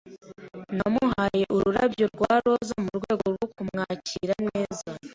Namuhaye ururabyo rwa roza mu rwego rwo kumwakira neza.